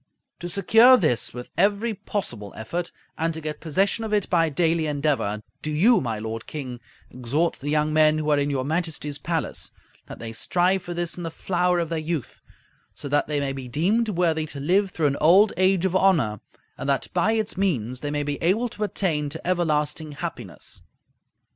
To secure this with every possible effort and to get possession of it by daily endeavor, do you, my lord King, exhort the young men who are in your Majesty's palace, that they strive for this in the flower of their youth, so that they may be deemed worthy to live through an old age of honor, and that by its means they may be able to attain to everlasting happiness.